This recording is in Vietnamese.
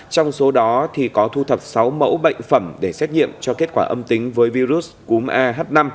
trong số đó có thu thập sáu mẫu bệnh phẩm để xét nghiệm cho kết quả âm tính với virus cúm ah năm